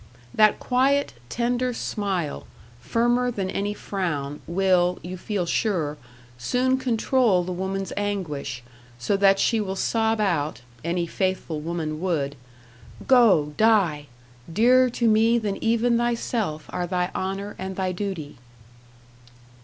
That quiet, tender smile, firmer than any frown, will, you feel sure, soon control the woman's anguish, so that she will sob out any faithful woman would "Go, die! Dearer to me than even thyself are thy honour and thy duty!"